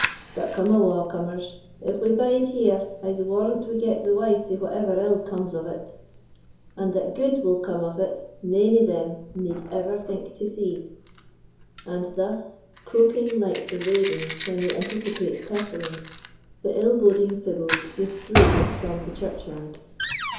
But come awa' cummers; if we bide here, I'se warrant we get the wyte o' whatever ill comes of it, and that gude will come of it nane o' them need ever think to see." And thus, croaking like the ravens when they anticipate pestilence, the ill boding sibyls withdrew from the churchyard.